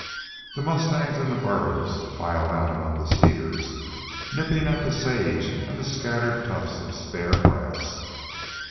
The mustangs and burros filed out among the cedars, nipping at the sage and the scattered tufts of spare grass.